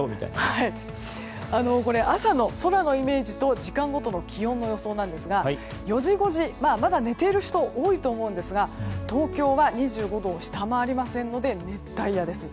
朝の空のイメージと時間ごとの気温の予想なんですが４時、５時、まだ寝ている人多いと思うんですが東京は２５度を下回りませんので熱帯夜です。